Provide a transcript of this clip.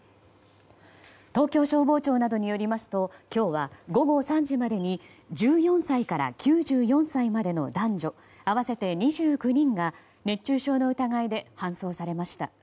東京消防庁などによりますと今日は午後３時までに１４歳から９４歳までの男女合わせて２９人が熱中症の疑いで搬送されました。